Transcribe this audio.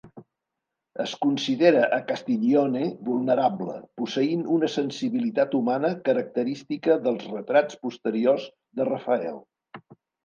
Es considera a Castiglione vulnerable, posseint una sensibilitat humana característica dels retrats posteriors de Rafael.